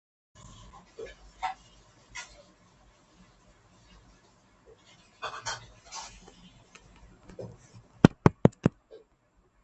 এগুলির হল,